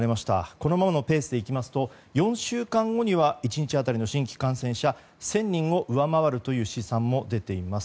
このままのペースでいきますと４週間後には１日当たりの新規感染者１０００人を上回るという試算も出ています。